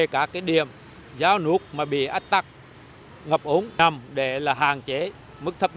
tránh các điểm sung yếu nước sâu chảy xiết hạn chế đến mức thấp nhất thiệt hại vì người và tài sản